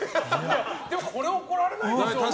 でもこれは怒られないでしょ。